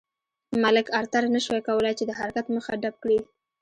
مک ارتر نه شوای کولای چې د حرکت مخه ډپ کړي.